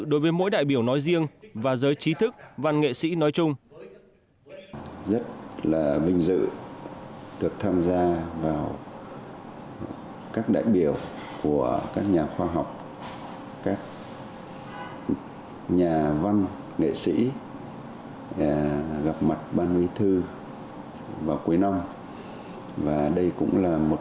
đối với mỗi đại biểu nói riêng và giới trí thức văn nghệ sĩ nói chung